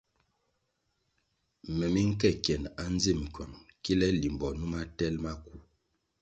Me mi nke kyenʼ andzim kywang kile limbo numa tel maku.